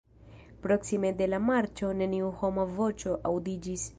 Proksime de la marĉo neniu homa voĉo aŭdiĝis.